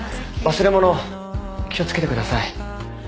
忘れ物気を付けてください。